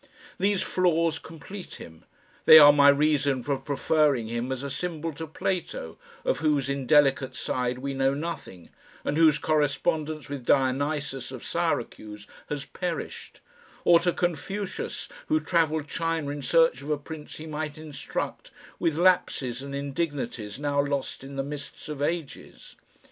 These flaws complete him. They are my reason for preferring him as a symbol to Plato, of whose indelicate side we know nothing, and whose correspondence with Dionysius of Syracuse has perished; or to Confucius who travelled China in search of a Prince he might instruct, with lapses and indignities now lost in the mists of ages.